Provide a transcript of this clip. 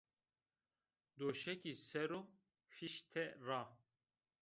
Doşegî ser o fîşte ra